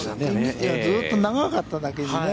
ずっと長かっただけにね。